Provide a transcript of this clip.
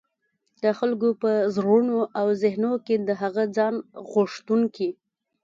د خلګو په زړونو او ذهنونو کي د هغه ځان غوښتونکي